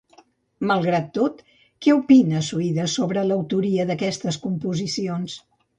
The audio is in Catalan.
Malgrat tot, què opina Suides sobre l'autoria d'aquestes composicions?